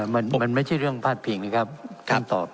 มันไม่ใช่เรื่องพาดพิงนะครับคำตอบ